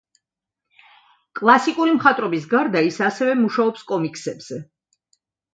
კლასიკური მხატვრობის გარდა, ის ასევე მუშაობს კომიქსებზე.